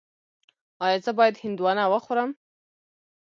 ایا زه باید هندواڼه وخورم؟